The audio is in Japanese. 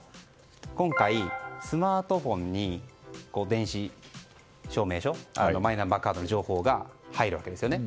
今回スマートフォンに電子証明書マイナンバーカードの情報が入るわけですよね。